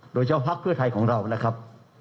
โดยเจ้าภักดิ์เพื่อไทยของเรานะครับ